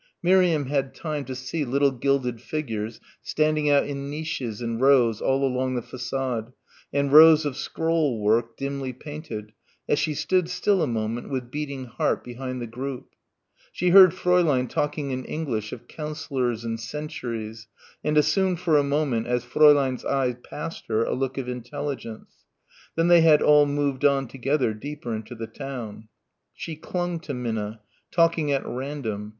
Miriam had time to see little gilded figures standing out in niches in rows all along the façade and rows of scrollwork dimly painted, as she stood still a moment with beating heart behind the group. She heard Fräulein talking in English of councillors and centuries and assumed for a moment as Fräulein's eye passed her a look of intelligence; then they had all moved on together deeper into the town. She clung to Minna, talking at random